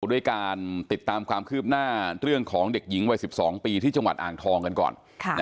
ด้วยการติดตามความคืบหน้าเรื่องของเด็กหญิงวัย๑๒ปีที่จังหวัดอ่างทองกันก่อน